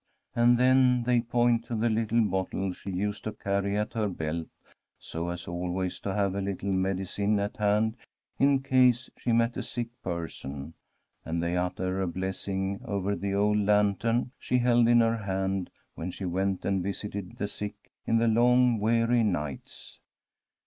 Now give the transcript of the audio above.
And then they point to the little bottle she used to carry at her belt, so as always to have a little medicine at hand in case she met a sick person, and they utter a blessing over the old lantern she held in her hand when she went and visited the sick in the long weary nights.